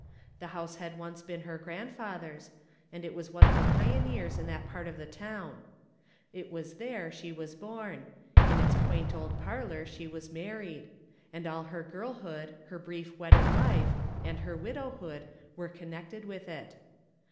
The house had once been her grandfather's, and it was one of the pioneers in that part of the town. It was there she was born; in its quaint old parlor she was married; and all her girlhood, her brief wedded life, and her widowhood were connected with it.